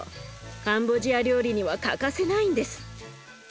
カンボジア料理には欠かせないんです。